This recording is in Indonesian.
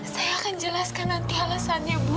saya akan jelaskan nanti alasannya bu